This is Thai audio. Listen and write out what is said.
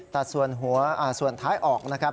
ตัดส่วนหัวส่วนท้ายออกนะครับ